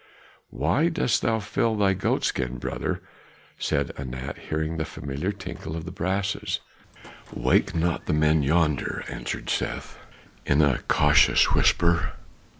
"Why dost thou fill thy goat skin, brother?" said Anat, hearing the familiar tinkle of the brasses. "Wake not the men yonder," answered Seth in a cautious whisper.